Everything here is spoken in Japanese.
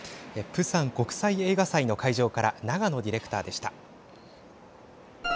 プサン国際映画祭の会場から長野ディレクターでした。